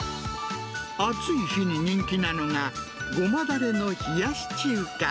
暑い日に人気なのが、ゴマだれの冷やし中華。